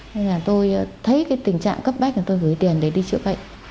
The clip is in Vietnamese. nên là tôi thấy cái tình trạng cấp bách là tôi gửi tiền để đi chữa bệnh